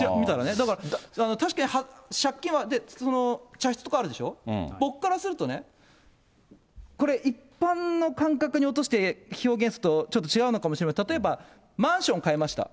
だから、確かに借金は、茶室とかあるでしょ、僕からするとね、これ一般の感覚に落として表現すると、ちょっと違うのかもしれない、例えばマンション買いました。